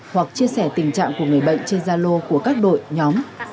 hoặc chia sẻ tình trạng của người bệnh trên gia lô của các đội nhóm